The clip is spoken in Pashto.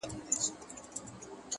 o ډك د ميو جام مي د زړه ور مــات كړ؛